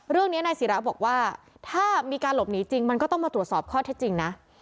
เรื่องนี้นายศิราบอกว่าถ้ามีการหลบหนีจริงมันก็ต้องมาตรวจสอบข้อเท็จจริงนะ